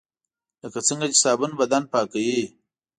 لکه څنګه چې صابون بدن پاکوي .